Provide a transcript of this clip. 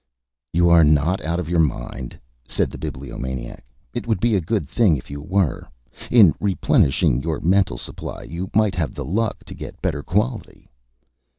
"You are not out of your mind," said the Bibliomaniac. "It would be a good thing if you were. In replenishing your mental supply you might have the luck to get better quality."